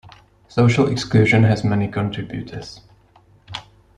Social exclusion has many contributors.